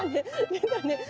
出たね。